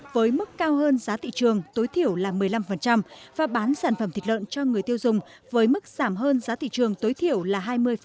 với mức cao hơn giá thị trường tối thiểu là một mươi năm và bán sản phẩm thịt lợn cho người tiêu dùng với mức giảm hơn giá thị trường tối thiểu là hai mươi